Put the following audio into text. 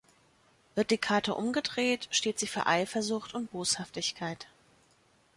Wird die Karte umgedreht, steht sie für Eifersucht und Boshaftigkeit.